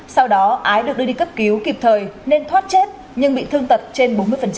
sau đó ái được đưa đi cấp cứu kịp thời nên thoát chết nhưng bị thương tật trên bốn mươi